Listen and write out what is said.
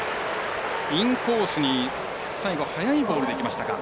インコースに最後速いボールでいきましたか。